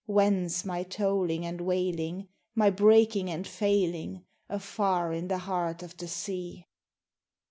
Whence my tolling and wailing, my breaking and failing, afar in the heart of the sea.